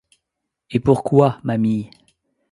Et pourquoy, ma mye ?